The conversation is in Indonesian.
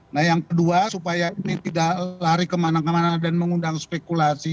nah yang kedua supaya ini tidak lari kemana kemana dan mengundang spekulasi